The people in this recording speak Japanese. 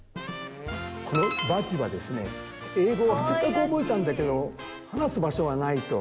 このバッジは英語をせっかく覚えたんだけど話す場所がないと。